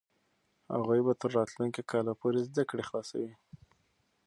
هغوی به تر راتلونکي کاله پورې زده کړې خلاصوي.